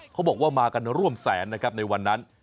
เขาบอกว่ามากันร่วมแสนนะครับในวันนั้น